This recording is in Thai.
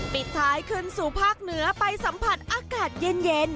ปิดท้ายขึ้นสู่ภาคเหนือไปสัมผัสอากาศเย็น